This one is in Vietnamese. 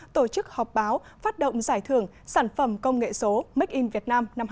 tổ chức họp báo phát động giải thưởng sản phẩm công nghệ số make in việt nam năm hai nghìn hai mươi